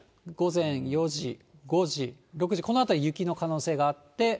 午前４時、５時、６時、この辺り雪の可能性があって。